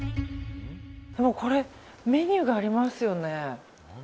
でもこれメニューがありますよね。